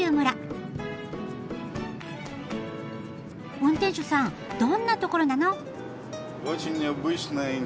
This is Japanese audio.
運転手さんどんなところなの？